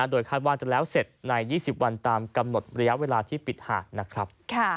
โดยคาดว่าจะแล้วเสร็จใน๒๐วันตามกำหนดระยะเวลาที่ปิดหาดนะครับ